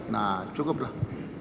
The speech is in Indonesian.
nah cukup lah